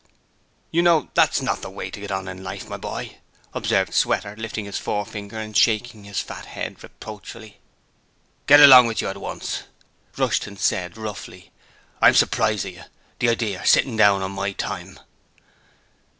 'You know, that's not the way to get on in life, my boy,' observed Sweater lifting his forefinger and shaking his fat head reproachfully. 'Get along with you at once!' Rushton said, roughly. 'I'm surprised at yer! The idear! Sitting down in my time!'